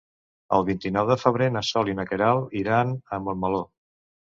El vint-i-nou de febrer na Sol i na Queralt iran a Montmeló.